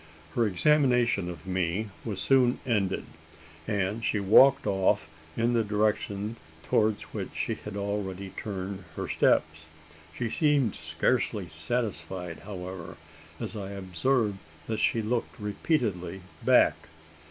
Her examination of me was soon ended; and she walked off in the direction towards which she had already turned her steps. She seemed scarcely satisfied, however: as I observed that she looked repeatedly back.